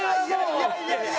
いやいやいや！